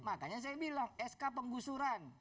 makanya saya bilang sk penggusuran